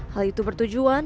hal itu bertujuan